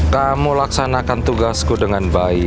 kamu laksanakan tugasku dengan baik